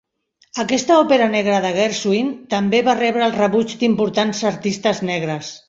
Aquesta òpera negra de Gershwin també va rebre el rebuig d'importants artistes negres.